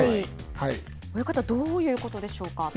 親方どういうことでしょうか